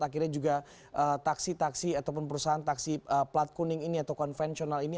akhirnya juga taksi taksi ataupun perusahaan taksi plat kuning ini atau konvensional ini